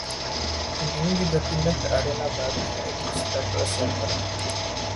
Tim ini juga pindah ke arena baru yaitu Staples Center.